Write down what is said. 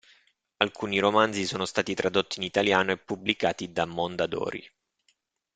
Alcuni romanzi sono stati tradotti in italiano e pubblicati da Mondadori.